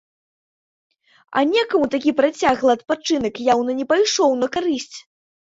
А некаму такі працяглы адпачынак яўна не пайшоў на карысць.